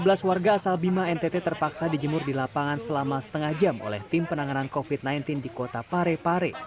sebanyak lima belas warga asal bima ntt terpaksa dijemur di lapangan selama setengah jam oleh tim penanganan covid sembilan belas di kota pare pare